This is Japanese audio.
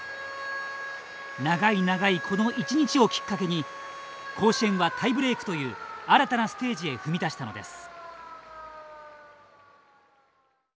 長い長いこの一日をきっかけに甲子園はタイブレークという新たなステージへ踏み出したのです。